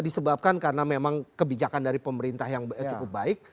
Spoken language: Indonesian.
disebabkan karena memang kebijakan dari pemerintah yang cukup baik